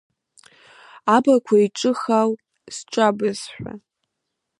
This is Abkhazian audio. Аблақәа, иҿыхаау зҿабызшәа.